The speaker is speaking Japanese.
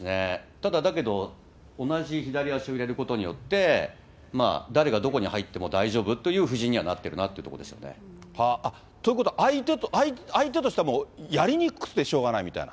ただ、だけど、同じ左足を入れることによって、誰がどこに入っても大丈夫という布陣にはなってるなというところということは、相手としてはもう、やりにくくてしょうがないみたいな？